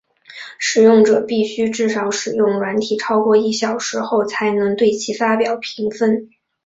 使用者必须至少使用软体超过一个小时后才能对其发表评分。